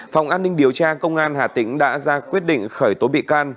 phòng an ninh điều tra công an hà tĩnh đã ra quyết định khởi tố bị can